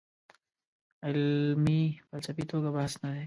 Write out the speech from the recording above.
علمي فلسفي توګه بحث نه دی.